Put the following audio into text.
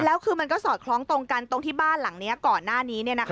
แล้วคือมันก็สอดคล้องตรงกันตรงที่บ้านหลังนี้ก่อนหน้านี้